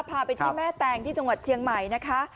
พาไปที่แม่แตงที่จังหวัดเชียงใหม่นะคะ